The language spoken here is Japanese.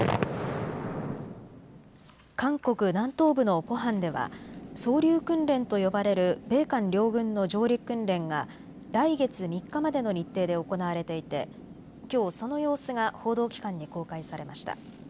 韓国南東部のポハンでは双竜訓練と呼ばれる米韓両軍の上陸訓練が来月３日までの日程で行われていてきょうその様子が報道機関に公開されました。